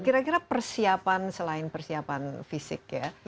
kira kira persiapan selain persiapan fisik ya